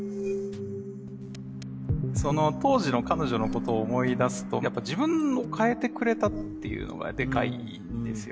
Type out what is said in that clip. その当時の彼女のことを思い出すとやっぱ自分を変えてくれたっていうのがでかいんですよ。